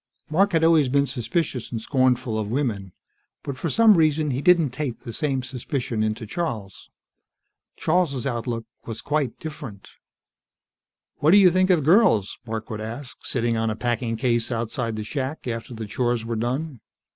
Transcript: Mark had always been suspicious and scornful of women. But for some reason he didn't tape the same suspicion into Charles. Charles' outlook was quite different. "What do you think of girls?" Mark would ask, sitting on a packing case outside the shack, after the chores were done.